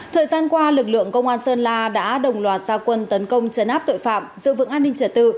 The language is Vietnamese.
thời gian qua lực lượng công an sơn la đã đồng loạt gia quân tấn công trấn áp tội phạm dự vững an ninh trở tự